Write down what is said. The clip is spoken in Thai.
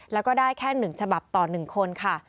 แล้วก็ได้แค่๑ฉบับต่อ๑คนค่ะ